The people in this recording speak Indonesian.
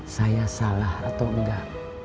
saya salah atau enggak